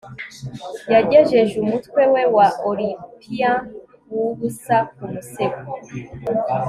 Yagejeje umutwe we wa Olympian wubusa ku musego